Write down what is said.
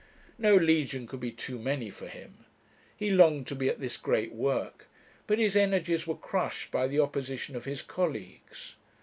No legion could be too many for him. He longed to be at this great work; but his energies were crushed by the opposition of his colleagues.